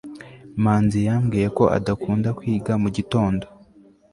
manzi yambwiye ko adakunda kwiga mu gitondo